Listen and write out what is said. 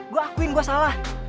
gue akuin gue salah